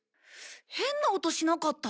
変な音しなかった？